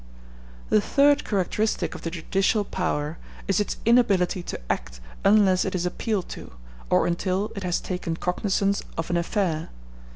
The third characteristic of the judicial power is its inability to act unless it is appealed to, or until it has taken cognizance of an affair.